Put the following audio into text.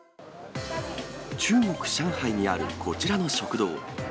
中国・上海にあるこちらの食堂。